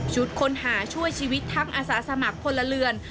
ค้นหาช่วยชีวิตทั้งอาสาสมัครพลเรือน